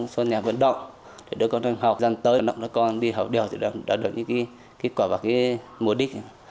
số nhà vận động để đưa con đồng học dần tới đồng cho con đi học đều thì đạt được những kết quả và mối đích